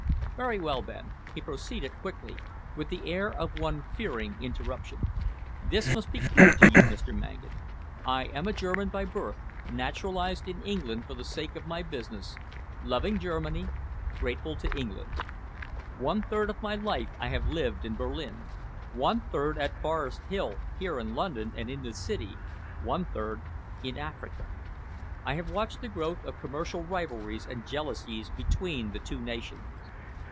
Very well, then," he proceeded quickly, with the air of one fearing interruption. "This must be clear to you, Mr. Mangan. I am a German by birth, naturalised in England for the sake of my business, loving Germany, grateful to England. One third of my life I have lived in Berlin, one third at Forest Hill here in London, and in the city, one third in Africa. I have watched the growth of commercial rivalries and jealousies between the two nations.